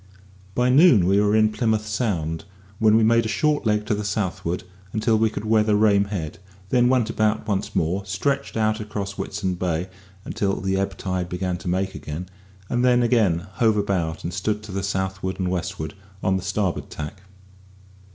By noon we were in Plymouth Sound, when we made a short leg to the southward until we could weather Rame Head; then went about once more, stretched across Whitesand Bay until the ebb tide began to make again, and then again hove about and stood to the southward and westward, on the starboard tack.